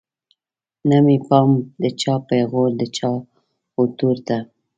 نه مې پام د چا پیغور د چا وتور ته